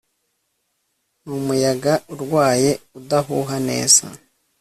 Numuyaga urwaye udahuha neza